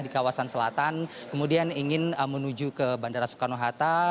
di kawasan selatan kemudian ingin menuju ke bandara soekarno hatta